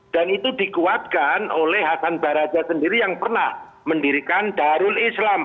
dan itu dikuatkan oleh hasan baraja sendiri yang pernah mendirikan darul islam